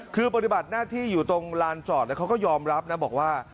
คือปฏิบัติหน้าที่อยู่ตรงลานจอดเขาก็ยอมรับนะบอกว่า